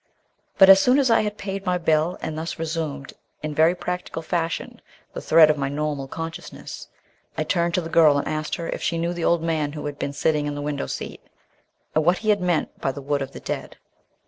But, as soon as I had paid my bill and thus resumed in very practical fashion the thread of my normal consciousness, I turned to the girl and asked her if she knew the old man who had been sitting in the window seat, and what he had meant by the Wood of the Dead.